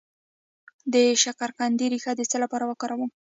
د شکرقندي ریښه د څه لپاره وکاروم؟